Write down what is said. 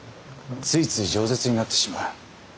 ついついじょう舌になってしまう。